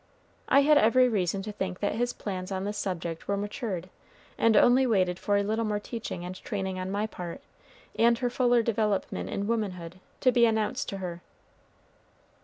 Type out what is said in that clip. I had every reason to think that his plans on this subject were matured, and only waited for a little more teaching and training on my part, and her fuller development in womanhood, to be announced to her.